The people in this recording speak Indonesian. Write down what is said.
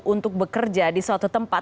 untuk bekerja di suatu tempat